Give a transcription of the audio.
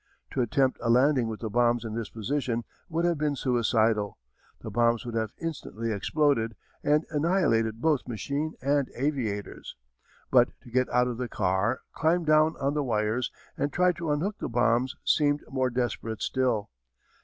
To attempt a landing with the bombs in this position would have been suicidal. The bombs would have instantly exploded, and annihilated both machine and aviators. But to get out of the car, climb down on the wires, and try to unhook the bombs seemed more desperate still.